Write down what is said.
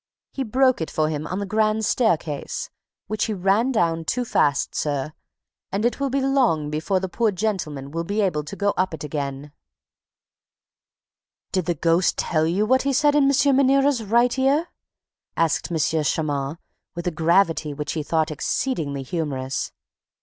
"He broke it for him on the grand staircase, which he ran down too fast, sir, and it will be long before the poor gentleman will be able to go up it again!" "Did the ghost tell you what he said in M. Maniera's right ear?" asked M. Moncharmin, with a gravity which he thought exceedingly humorous.